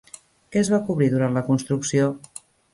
Què es va cobrir durant la construcció?